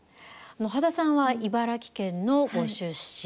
羽田さんは茨城県のご出身。